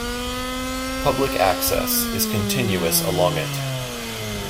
Public access is continuous along it.